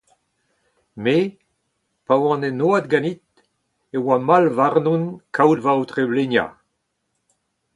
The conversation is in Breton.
Me, pa oan en oad ganit, e oa mall warnon kaout ma aotre-bleniañ.